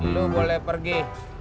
lo boleh pergi